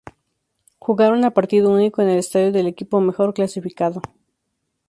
Jugaron a partido único en el estadio del equipo mejor clasificado.